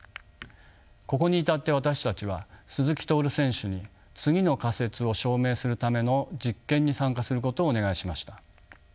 ここに至って私たちは鈴木徹選手に次の仮説を証明するための実験に参加することをお願いしました。